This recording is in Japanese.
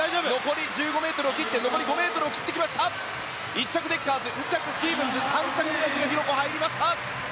１着、デッカーズ２着、スティーブンズ３着に牧野紘子が入りました。